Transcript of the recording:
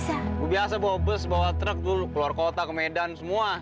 biasa bawa bus bawa truk tuh keluar kota ke medan semua